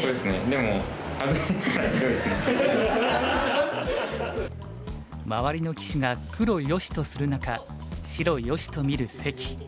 でも周りの棋士が黒良しとする中白良しと見る関。